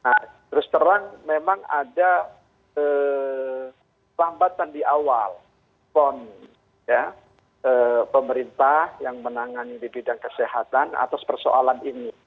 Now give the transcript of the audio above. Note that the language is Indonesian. nah terus terang memang ada lambatan di awal pon pemerintah yang menangani di bidang kesehatan atas persoalan ini